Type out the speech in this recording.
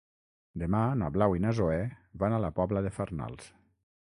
Demà na Blau i na Zoè van a la Pobla de Farnals.